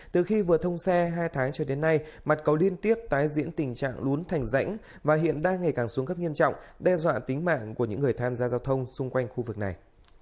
từ khi vừa thông xe hai tháng cho đến nay mặt cầu liên tiếp tái diễn tình trạng lún thành rãnh và hiện đang ngày càng xuống cấp nghiêm trọng đe dọa tính mạng của những người tham gia giao thông xung quanh khu vực này